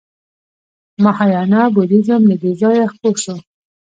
مهایانا بودیزم له دې ځایه خپور شو